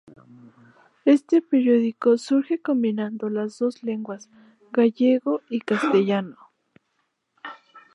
Este periódico surge combinando las dos lenguas, gallego y castellano.